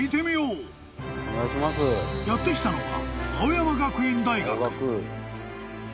［やって来たのは］